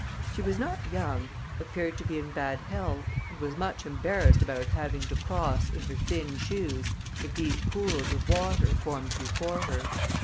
She was not young, appeared to be in bad health, and was much embarrassed about having to cross, in her thin shoes, the deep pools of water formed before her.